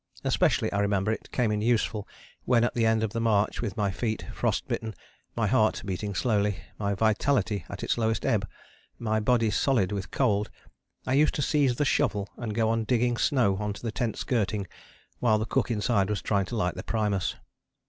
Especially, I remember, it came in useful when at the end of the march with my feet frost bitten, my heart beating slowly, my vitality at its lowest ebb, my body solid with cold, I used to seize the shovel and go on digging snow on to the tent skirting while the cook inside was trying to light the primus.